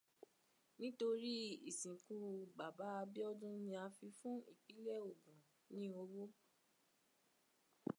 Nítorí ìsìnkú bàbá Abíọ́dún ni a fi fún ìpínlẹ̀ Ògùn ní owó